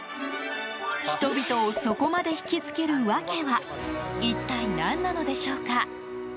人々をそこまで引き付ける訳は一体何なのでしょうか。